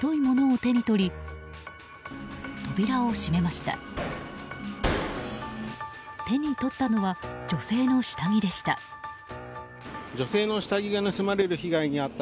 手に取ったのは女性の下着でした。